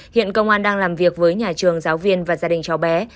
hiện công an đang làm việc với nhà trường giáo viên và gia đình cháu bé